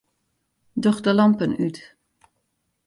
Doch de lampen út.